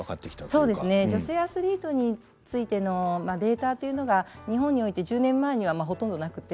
そうですね女性アスリートについてのデータというのが日本において１０年前にはほとんどなくて。